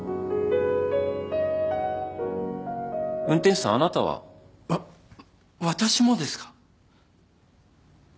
運転手さんあなたは？わ私もですか？